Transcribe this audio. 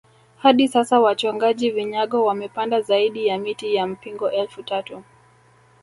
Hadi sasa wachongaji vinyago wamepanda zaidi ya miti ya mpingo elfu tatu